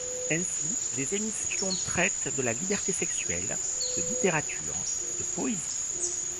Ainsi, des émissions traitent de la liberté sexuelle, de littérature, de poésie.